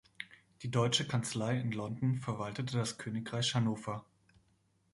Die Deutsche Kanzlei in London verwaltete das Königreich Hannover.